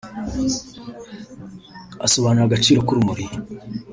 asobanura agaciro k’uru rumuri